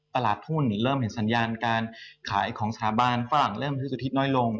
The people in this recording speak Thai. ตลาดหุ้นเริ่มเห็นสัญญาณการขายของสถาบันฝรั่งเริ่มซื้อสุทธิน้อยลง